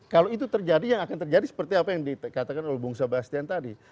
kalau itu terjadi yang akan terjadi seperti apa yang dikatakan oleh bung sabastian tadi